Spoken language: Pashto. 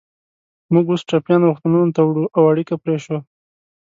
موږ اوس ټپیان روغتونونو ته وړو، او اړیکه پرې شوه.